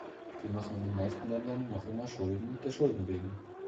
Wir machen in den meisten Ländern noch immer Schulden der Schulden wegen.